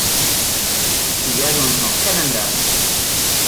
Die werden uns noch kennenlernen!